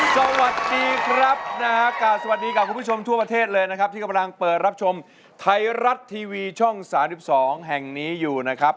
สวัสดีครับนะฮะรับทราบบางคนทั่วประเทศเลยนะคักที่กำลังเปิดรับชมไทรัติ์ทีวีช่อง๓๒แห่งนี้อยู่นะครับ